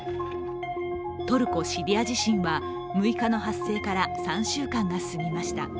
トルコ・シリア地震は６日の発生から３週間が過ぎました。